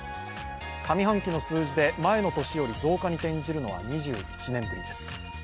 上半期の数字で前の年より増加に転じるのは２１年ぶりです。